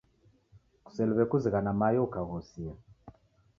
Kuseliw'e kuzighana mayo ukaghosia.